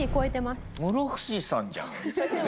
室伏さんじゃん！